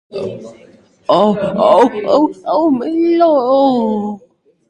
Shortly after his arrival, Henreid appeared in two key films in his career.